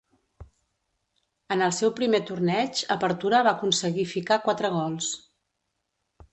En el seu primer torneig Apertura va aconseguir ficar quatre gols.